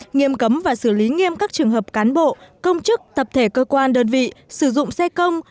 nghiêm cấm và xử lý nghiêm các trường hợp cán bộ công chức tập thể cơ quan đơn vị sử dụng xe công